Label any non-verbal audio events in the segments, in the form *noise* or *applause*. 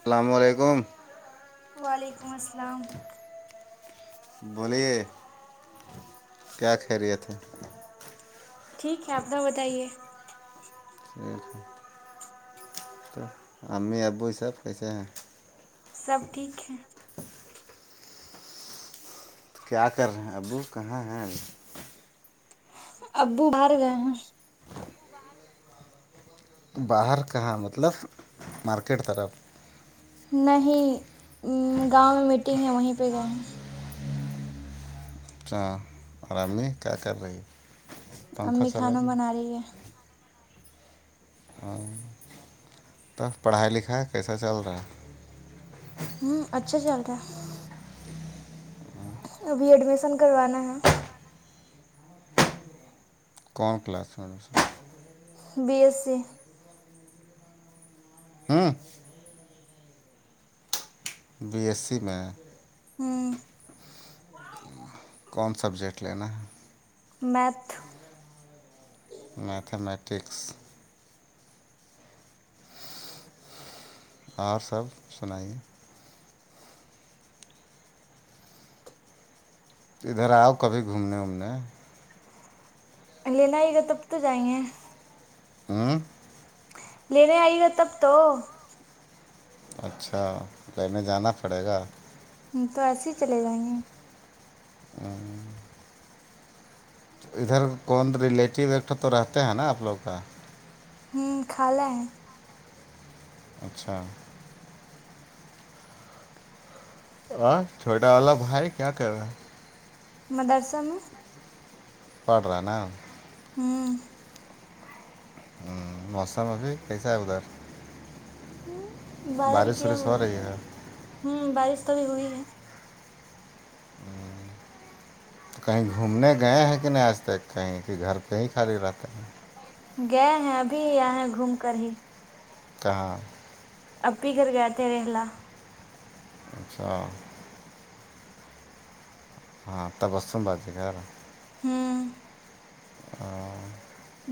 السلام علیکم وعلیکم السلام بولیے کیا کہ رہیے تھے ٹھیک ہے آپنا بتائیے ٹیک تو ہمیں آبوں سب کیسے ہیں سب ٹھیک ہے *unintelligible* کیا کر رہے ہیں ابو کہاں ہیں ابو باہر گئے ہیں باہر کہاں مطلب مارکیٹ طرف نہیں گاؤں میں میٹنگ ہے وہیں پہ گئے ہیں اچ ہاں آرام میں کیا کر رہی ہے پنکھا امی چلا کھانا جی بنا رہی ہے ہاں تب پڑھائی لکھائی کیسا چل رہا ہے ہوں اچھا چلتا ہے ابھی ایڈمیسن کروانا ہے کون کلاس میں سر بی ایس سی ہاں بی ایس سی میں ہاں کون سبجیکٹ لینا ہے میت میتھمیٹکس اور سب سنائیے ادھر آؤ کبھی گھومنے وومنے لینا ہی گا تب تو جائیں گے ہوں لینے آئی گا تب تو اچھا پنے جانا پڑے گا ہم تو ایسے ہی چلے گئے ہے *inaudible* ادھر کون ریلیٹیو ایکٹا تو رہتے ہیں نا آپ لوگ کا ہوں خالا ہے اچھا ہ چھوٹا والا بھائی کیا کر رہا مدرسا میں پڑ رہ نا ہوں ہوں مشا مفی پیسا آگودار بارہ بھی بارش کیا وارش ہوا ہو ہے رہی ہوں بارش تو بھی ہوئی ہے ہوں تو کہیں گھومنے گئے ہیں کہ نہیں آج تک کہیں کہ گھر پے کہیں خالی رہتے ہے گئے ہیں ابھی آ ہیں گھوم کر ہی کہاں اب ہی گھر گئے تھے رلا اچھا ہاں تبسم بازے گا ہوں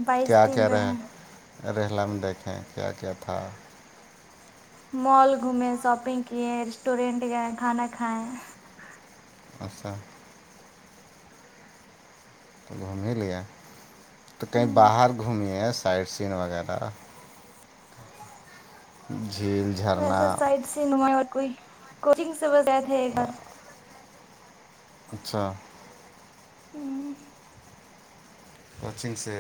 بائیس کیا دن کرے رہے رہ رہلا میں دیکھیں کیا کیا تھا مال گھومیں شاپنگ کیے ریسٹورینٹ گئے کھانا کھایا آچھا تو گھوم لے تو کہیں ہوں باہر گھمیس *unintelligible* سین وغیرہ جی ویسے سائڈ س ن اور کوئی کوچنگ سے *unintelligible* اچھا ہوں وچنگ سے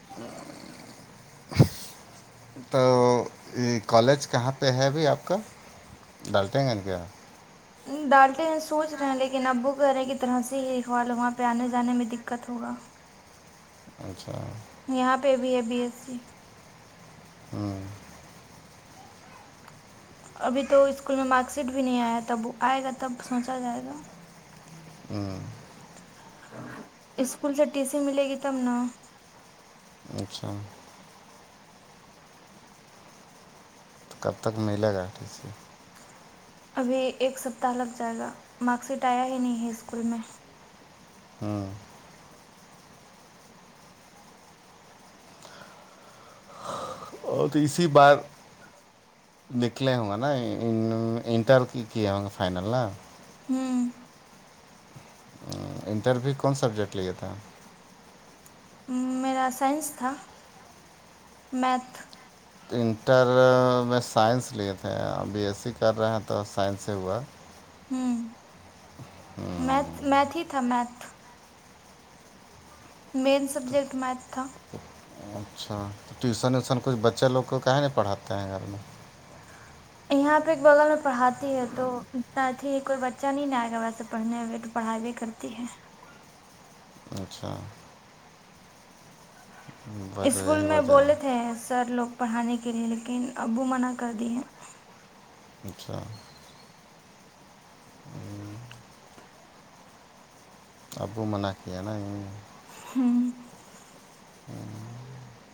*unintelligible* تو یہ کالج کہاں پہ ہے ابھی آپ کا ڈالتے ہیں کیا ڈالٹے ہیں سوچ رہے ہیں لیکن ابوک گرے کی طرح سے ہی دیکھوالو وہاں پہ آنے جانے میں دقت ہوگا اچھا ہے یہاں پہ بھی ہے بی ایس سی ہاں ابھی تو اسکول میں مارک شیٹ بھی نہیں آیا تب آئے گا تب سوچا جائے گا ہاں اسکول سے ٹی سی ملے گی تب نا اچھا تو کب تک ملے گاٹی سے ابھی ایک سپتہ لگ جائے گا مارک شیٹ آیا ہی نہیں ہے اسکول میں ہاں اور اسی بار نکلے ہوںگا نا انٹر کیا ہوںے فائنل نا ہوں انٹرویو کون سبجیکٹ لیاے تھا میرا سائنس تھا میتھ انٹر میں سائنس لیے تھے اور بی ایس سی کر رہے ہیں تو سائنس سے ہوا ہوں میتھ میتھ ہی تھا میتھ مین سبجیکٹ میتھ تھا اچھا تو ٹیوشن ویوسن کچھ بچے لوگ کو کہیں نہیں پڑھاتے ہیں گھر میں یہاں پہ ایک بغل میں پڑھاتی ہے تو ا اھی کوئی بچہ نہیں آئے گا ویسے پڑھنے میںئے تو پڑھائی بھی کرتی ہے اچھا وجہ اسکول یہی میں وجہ بولے تھے ہے سر لوگ پڑھانے کے لیے لیکن ابو منع کر دیے اچھا ابو منع کے ہے ن ہاں ہوں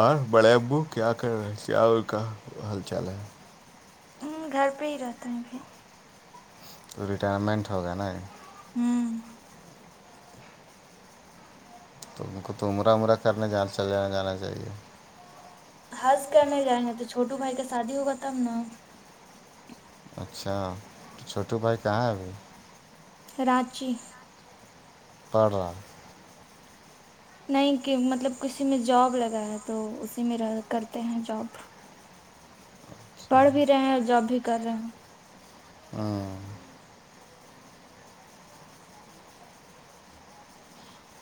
اور بڑے ابو کیا کر رہے کیا کا حال چال ہے ہ گھر پہ ہی رہتے ہیںبھر تو ریٹائرمنٹ ہوگا نا یہ ہوں تو ان کو تو عمرہ عمرہ کرنے جان چل جانا جانا چاہیے ہرض کرنے جائیں گے تو چھوٹو بھائی کا شادی ہوگا تب نا اچھا چھوٹو بھائی کہاں ہے ابھی راچی پڑا نہیں کہ مطلب کسی میں جاب لگا ہے تو اسی میں رہ کرتے ہیں جاب اچھا پڑھ بھی رہے ہیں اور جاب بھی کر رہے ہیں ہاں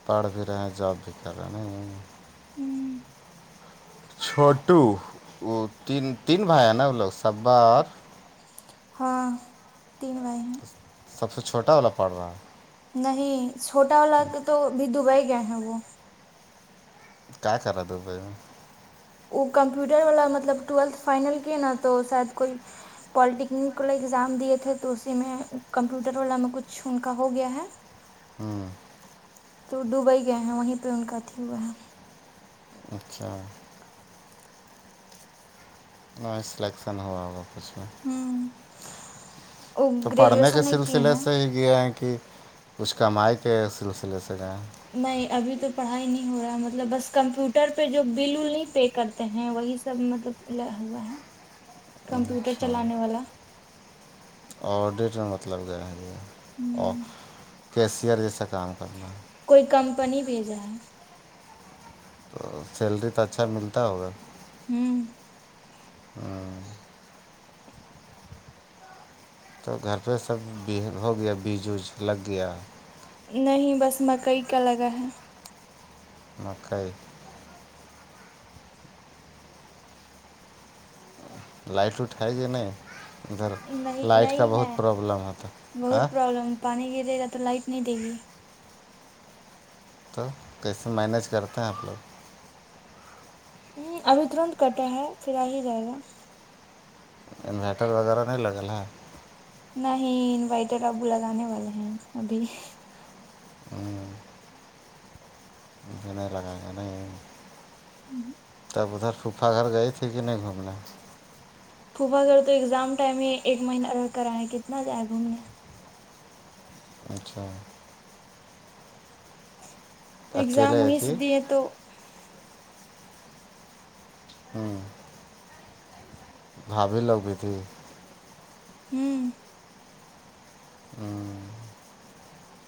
پڑھ بھی رہے ہیں جاب بھی کر رہے نہیں ہوں چھوٹو وہ تین تین بھائی ہیں نا وہ لوگ سب بار ہاں تین بھائی سب سے چھوٹا والا پڑ رہا ہے نہیں چھوٹا والا تو توب دبئی گئے ہیں وہ کیا کرا دو بائی ا کمپیوٹر والا مطلب ٹویلتھ فائنل کی نا تو شاید کوئی پالٹیکنک والے ایگزام دیے تھے تو اسی میں کمپیوٹر والا میں کچھ ان کا ہو گیا ہے ہاں تو دبئی گئے ہیں وہیں پہ ان کا ا تھی ہوا ہے اچھا ن سلیکشن ہوا ہوا کچھ میں ہوں تو پڑھنے کے سلسلے سے ہی یہ ہیں کہ کچھ کمائی کے سلسلے سے گئے ہیں نہیں ابھی تو پڑھائی نہیں ہو رہا مطلب بس کمپیوٹر پہ جو بل نہیں پے کرتے ہیں وہی سب مطلب ل ہوا ہے کمپیوٹر چلانے والا آڈٹ میں مطلب جو ہے یہ ہوں کیشئر جیسا کام کرنا ہے کوئی کمپنی بھیجا ہے تو سیلری تو اچھا ملتا ہوگا ہوں تو گھر پہ سب ہو گیا بیج وج لگ گیا نہیں بس مکئی کا لگا ہے مکئی لائٹ اٹھائے گ نہیں ادھر نہیں لائٹ کا نہیں بہت ہے پرابلم ہےتا آیں بہت پرابلم پانی گرے گا تو لائٹ نہیں دے گی تو کیسے مینیج کرتے ہیں آپ لوگ ہ ابھی ترنت کٹے ہے پھر آ ہی جائے گا انویٹر وغیرہ نہیں لگل ہے نہیں انوائٹر ابو لگانے والے ہیں ابھی ہاں نہیں لگائے گ نہیں ہوں *unintelligible* تب ادھر صوفا گھر گئی تھی کہ نہیں گھومنا پھوفا گڑ تو ایگزام ٹائم میں ایک مہینہ رہ کر آئے کتنا جائے گھومنے اچھا ایگزام اکیلے وہی سے کہ دی ہے تو ہاں گھا بھی لوگ گی تھی ہوں ہ *unintelligible*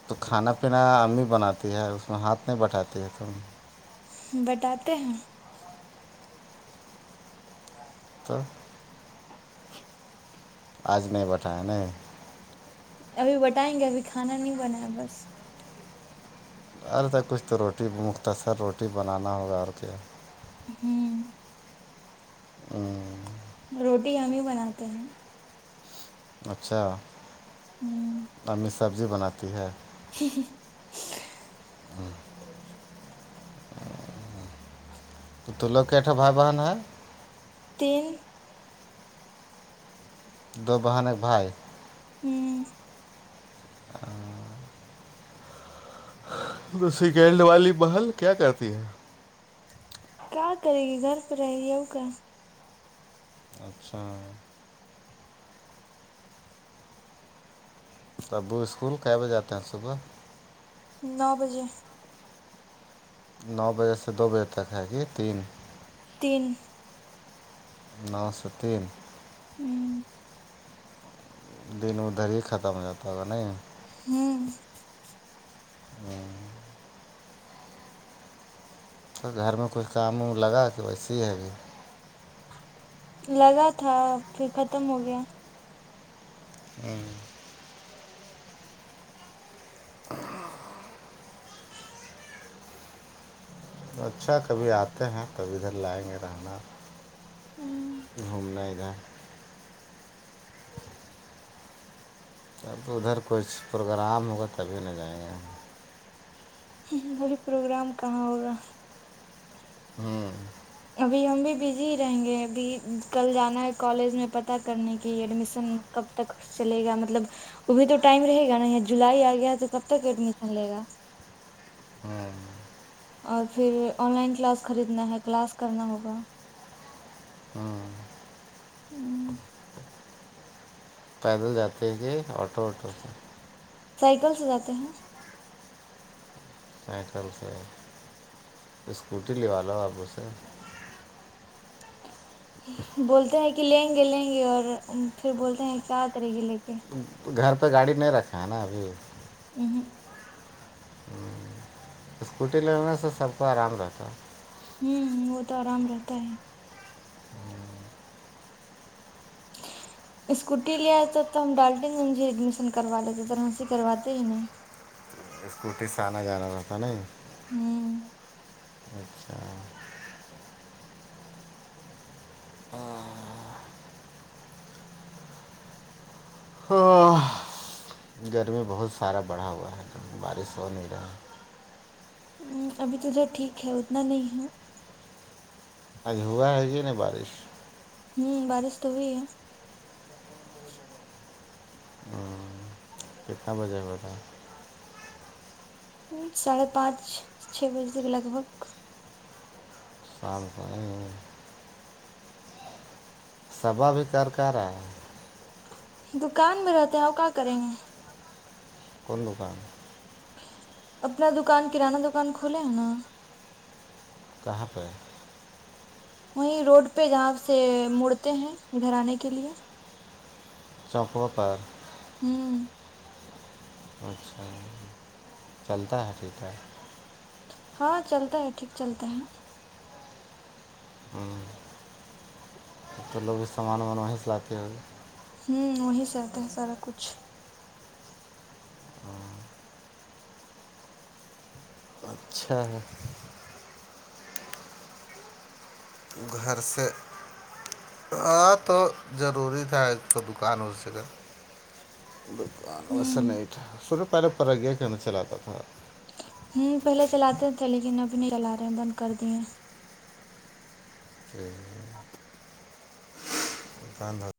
تو کھانا پینا امی بناتی ہے اس میں ہاتھ نہیں بٹھاتی ہے تو امی بٹاتے ہیں ہاں *unintelligible* آج نہیں بتایا نہیں ابھی بٹائیں گے ابھی کھانا نہیں بنایا بس ار تو کچھ تو روٹی مختصر روٹی بنانا ہوگا اور کیا ہوں *unintelligible* ہ *unintelligible* روٹی ہم ہی بناتے ہیں اچھا ہ امی سبزی بناتی ہے ہی ہ *unintelligible* ہاں *unintelligible* تو تو لو کےٹا بھائی بہن ہے تین *unintelligible* دو بہن ایک بھائی ہوں *unintelligible* ہ تو سیکینڈ والی محل کیا کرتی ہے کیا کرے گی گھر پہ رہے گی ا کا اچھا *unintelligible* تب وہ اسکول ک بجے آتے ہیں صبح نو بجے نو بجے سے دو بجے تک ہے کہی تین تین *unintelligible* نو سو تین ہوں *unintelligible* دن ادھر ہی ختم ہو جاتتاگ نہیں ہوں *unintelligible* تو گھر میں کچھ کام وم لگا کے ویسیے ہی ہے بھی لگا تھا پھر ختم ہو گیا ہوں *unintelligible* ہاں *unintelligible* اچھا کبھی آتے ہیں کبھی ادھر لائیں گے رہنا ہوں *unintelligible* گھومنا دہ *inaudible* جب ادھر کچئی پروگرام ہوگا تبھی نہ جائیں گا گی پروگرام کہاں ہو رہا ہوں *unintelligible* ابھی ہم بھی بزی رہیں گے ابھی کل جانا ہے کالج میں پتہ کرنے کی ایڈمیشن کب تک چلے گا مطلب ابھی تو ٹائم رہے گا نا یا جولائی آ گیا تو کب تک ایڈمیشن لے گا ہاں اور پھر آن لائن کلاس خریدنا ہے کلاس کرنا ہوگا ہاں ہوں پیدل جاتے کہے آٹو واٹو سے سائیکل سے جاتے ہیں سائیکل سے اسکوٹی لوا لو آپ اسے بولتے ہیں کہ لیں گے لیں گے اور پھر بولتے ہیں کیا آ کررے گی لے کے گھر پہ گاڑی نہیں رکھا ہے نا ابھی *unintelligible* ہ اسکوٹی لگانے سے سب کو آرام رہتا ہوں وہ تو آرام رہتا ہے *inaudible* اسکوٹی لے آئے تو تو ہم ڈالٹیں گےے ایڈمیشن کروا لیتے طر ہ سے کرواتے ہی نہیں اسکوٹی سے آنا جانا رہتا نہیں ہوں اچھا ہاں ہاں گرمی بہت سارا بڑھا ہوا ہے بارش ہو نہیں رہا ہ ابھی تو جوا ٹھیک ہے اتنا نہیں ہے اج ہوا ہے یہ نا بارش بارش تو ہوئی ہے ہوں کتنا بجے بتا ساڑھے پانچ چھ بجے تک لگ بھگ شام کو سبا بھی کر کر رہا ہے دکان میں رہتے ہیں اور کہ کریں گے قون دکان اپنا دکان کرانہ دکان کھولے ہے نا کہاں پہ وہیں روڈ پہ جہاں سے مڑتے ہیں گھراننے کے لیے *unintelligible* ہوں اچھا چلتا ہے ٹھیک ٹھاک ہاں چلتا ہے ٹھیک چلتا ہے ہوں تو لوگ بھی سامان وامان وہیں سے لاتے ہو گئے ہوں وہیں سے آتا ہے سارا کچھ ہاں اچھا ہے گھر سےے ہاں تو ضروری تھا تو دکان ہو سے کا ویسا ہوں نہیں تھا سنو پہلے پرگیا کہنا چلاتا تھا ہوں پہلے چلاتے تھے لیکن ابھی نہیں چلا رہے ہیں بند کر دیے *unintelligible*